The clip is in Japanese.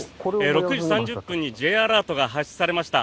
６時３０分にＪアラートが発出されました。